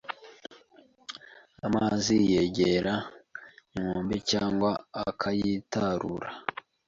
amazi yegera inkombe cyangwa akayitarura,